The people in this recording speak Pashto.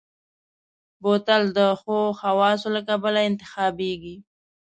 بوتل د ښو خواصو له کبله انتخابېږي.